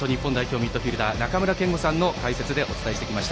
ミッドフィールダー中村憲剛さんの解説でお伝えしてきました。